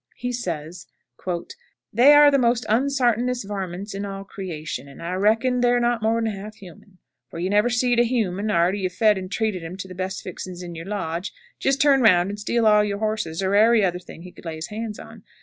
He says: "They are the most onsartainest varmints in all creation, and I reckon tha'r not mor'n half human; for you never seed a human, arter you'd fed and treated him to the best fixins in your lodge, jist turn round and steal all your horses, or ary other thing he could lay his hands on.